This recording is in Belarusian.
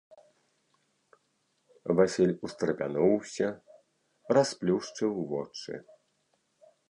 Васіль устрапянуўся, расплюшчыў вочы.